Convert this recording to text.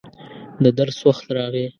د درس وخت راغی.